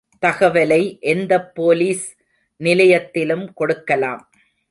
தகவலை எந்தப் போலிஸ் நிலையத்திலும் கொடுக்கலாம்.